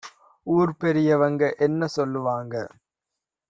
ஊர்ப் பெரியவங்க என்ன சொல்லுவாங்க